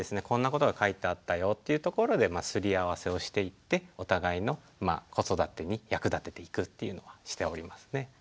「こんなことが書いてあったよ」っていうところですり合わせをしていってお互いの子育てに役立てていくっていうのはしておりますね。